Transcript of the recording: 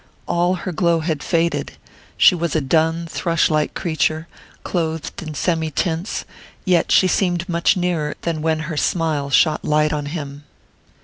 All her glow had faded she was a dun thrush like creature, clothed in semi tints; yet she seemed much nearer than when her smile shot light on him.